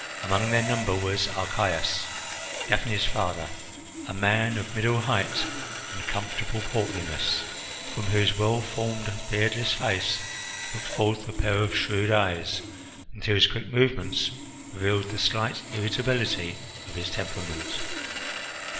Among their number was Archias, Daphne's father, a man of middle height and comfortable portliness, from whose well formed, beardless face looked forth a pair of shrewd eyes, and whose quick movements revealed the slight irritability of his temperament.